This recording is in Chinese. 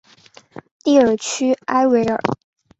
蒂尔屈埃维尔。